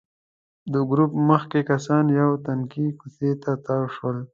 د ګروپ مخکېني کسان یوې تنګې کوڅې ته تاو شول.